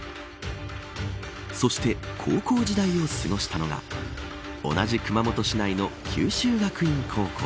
そして、高校時代を過ごしたのが同じ熊本市内の九州学院高校。